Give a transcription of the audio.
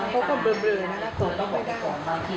เขาก็เบลอนะตกไม่ได้